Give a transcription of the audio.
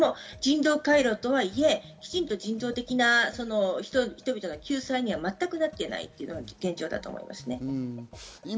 人道回廊とはいえ、きちんと人道的な人々の救済には全くなっていないというのが現状だと思います。